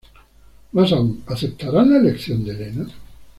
Más aún, ¿aceptarán la elección de Elena?